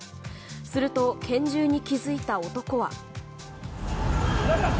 すると、拳銃に気づいた男は。